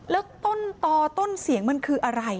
แล้วต้นต่อต้นเสียงมันคืออะไร